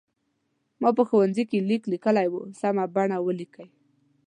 ما په ښوونځي کې لیک لیکلی و سمه بڼه ولیکئ.